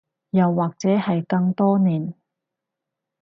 又或者係更多年